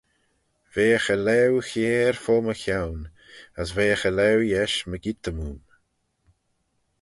Veagh e laue chiare fo my chione, as veagh e laue yesh mygeayrt-y-moom.